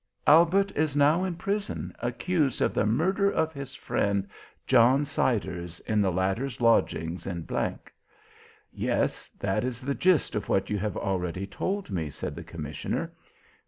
"Albert is now in prison, accused of the murder of his friend, John Siders, in the latter's lodgings in G ." "Yes, that is the gist of what you have already told me," said the commissioner.